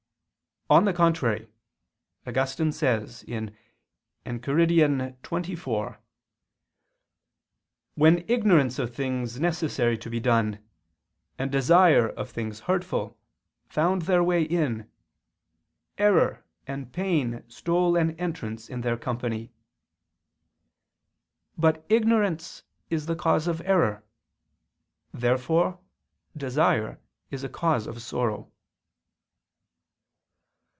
On the contrary, Augustine says (Enchiridion xxiv): "When ignorance of things necessary to be done, and desire of things hurtful, found their way in: error and pain stole an entrance in their company." But ignorance is the cause of error. Therefore desire is a cause of sorrow.